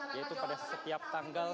yaitu pada setiap tanggal